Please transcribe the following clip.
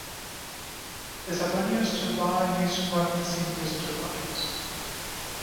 The Savonius turbine is one of the simplest turbines.